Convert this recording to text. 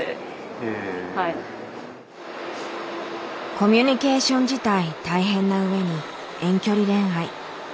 コミュニケーション自体大変なうえに遠距離恋愛。